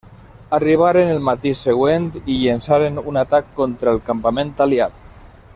Arribaren el matí següent i llençaren un atac contra el campament aliat.